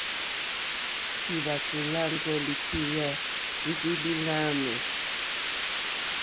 Lúwàtò lâŋɡɔ́ lítéyà ndí lí láǃámɛ̀.